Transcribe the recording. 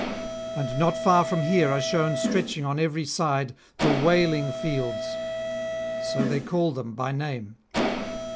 And not far from here are shewn stretching on every side the Wailing Fields; so they call them by name.